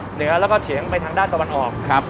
เหนือแล้วก็เฉียงไปทางด้านตะวันออกครับ